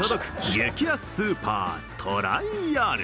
激安スーパー、トライアル。